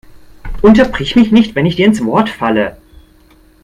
Unterbrich mich nicht, wenn ich dir ins Wort falle!